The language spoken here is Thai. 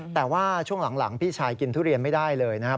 แต่ว่าช่วงหลังพี่ชายกินทุเรียนไม่ได้เลยนะครับ